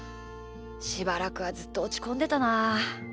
しばらくはずっとおちこんでたな。